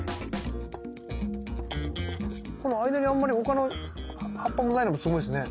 この間にあんまり他の葉っぱもないのもすごいですね。